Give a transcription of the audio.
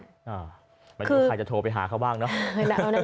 คือมันอยู่ใครจะโทรไปหาเขาบ้างเนาะ